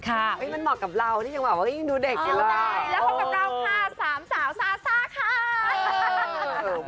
มันเหมาะกับเรานี่ยังดูเด็กอยู่แล้ว